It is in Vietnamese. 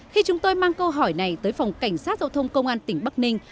khi chúng tôi mang câu hỏi này tới phòng cảnh sát giao thông công an tỉnh bắc ninh